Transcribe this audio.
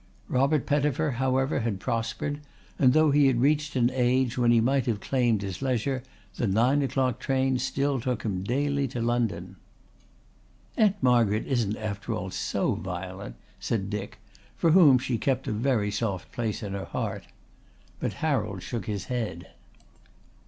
Robert Pettifer however had prospered, and though he had reached an age when he might have claimed his leisure the nine o'clock train still took him daily to London. "Aunt Margaret isn't after all so violent," said Dick, for whom she kept a very soft place in her heart. But Harold shook his head.